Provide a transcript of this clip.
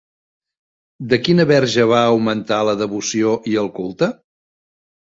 De quina Verge va augmentar la devoció i el culte?